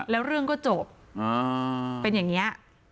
แล้วเรื่องก็จบเป็นอย่างนี้